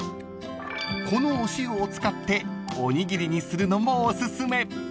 ［このお塩を使っておにぎりにするのもおすすめ］